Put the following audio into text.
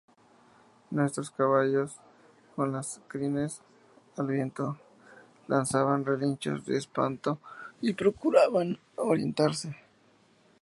nuestros caballos con las crines al viento, lanzaban relinchos de espanto y procuraban orientarse